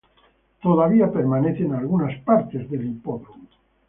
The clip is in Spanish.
Todavía permanecen algunas partes del hipódromo.